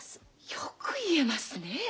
よく言えますね。